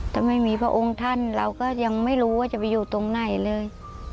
ถ้าไม่มีพระองค์ท่านเราก็ยังไม่รู้ว่าจะไปอยู่ตรงไหนเลย